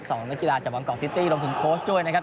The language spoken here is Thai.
นักกีฬาจากบางกอกซิตี้รวมถึงโค้ชด้วยนะครับ